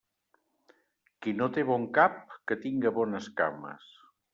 Qui no té bon cap, que tinga bones cames.